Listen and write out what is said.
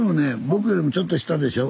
僕よりもちょっと下でしょ？